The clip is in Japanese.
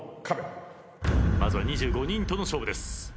まずは２５人との勝負です。